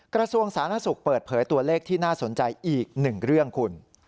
กระทรวงสาธารณสุขเปิดเผยตัวเลขที่น่าสนใจอีกหนึ่งเรื่องคุณ